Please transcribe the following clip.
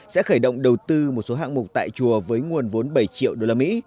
sẽ khởi động đầu tư một số hạng mục tại chùa với nguồn vốn bảy triệu usd